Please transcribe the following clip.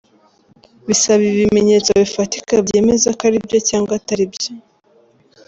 Bisaba ibimenyetso bifatika byemeza ko ari byo cyangwa atari byo.